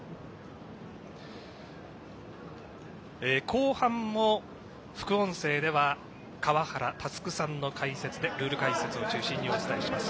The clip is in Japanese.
後半も、副音声では川原佑さんのルール解説を中心にお伝えします。